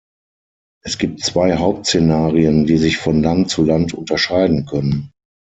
Es gibt zwei Hauptszenarien, die sich von Land zu Land unterscheiden können.